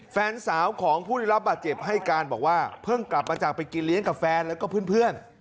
แฟนสาวของผู้ได้รับบาดเจ็บให้การบอกว่าเพิ่งกลับมาจากไปกินเลี้ยงกับแฟนแล้วก็เพื่อน